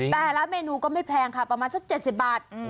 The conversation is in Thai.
แต่ละเมนูก็ไม่แพงค่ะประมาณสัก๗๐บาท